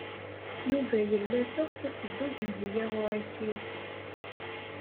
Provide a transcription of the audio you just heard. Yuba yella teɣs ad teddu Dehbiya u Ɛisiw.